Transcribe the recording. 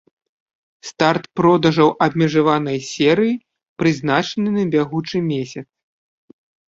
Старт продажаў абмежаванай серыі прызначаны на бягучы месяц.